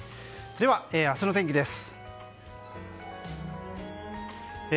では、明日の天気です。